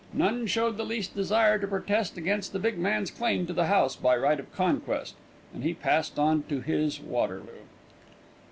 None showed the least desire to protest against the big man's claim to the house by right of conquest and he passed on to his Waterloo.